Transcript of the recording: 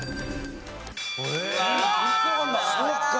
そっか。